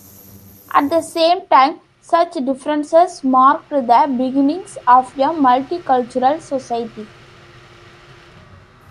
At the same time, such differences marked the beginnings of a multicultural society.